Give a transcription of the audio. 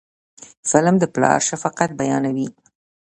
فلم د پلار شفقت بیانوي